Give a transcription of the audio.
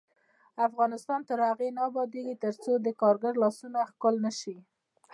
افغانستان تر هغو نه ابادیږي، ترڅو د کارګر لاسونه ښکل نشي.